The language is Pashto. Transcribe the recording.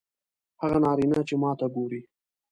هغه نارینه چې ماته ګوري